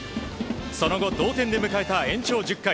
その後同点で迎えた延長１０回。